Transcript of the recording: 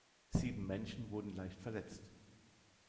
Sieben Menschen wurden leicht verletzt.